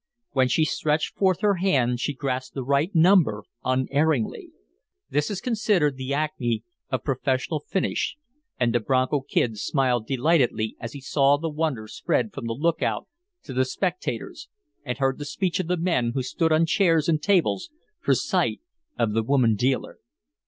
When she stretched forth her hand she grasped the right number unerringly. This is considered the acme of professional finish, and the Bronco Kid smiled delightedly as he saw the wonder spread from the lookout to the spectators and heard the speech of the men who stood on chairs and tables for sight of the woman dealer.